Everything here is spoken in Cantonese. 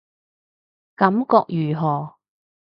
感覺如何